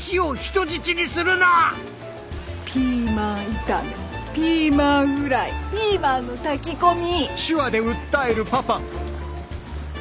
ピーマン炒めピーマンフライピーマンの炊き込み。